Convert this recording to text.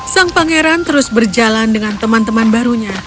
sang pangeran terus berjalan dengan teman teman barunya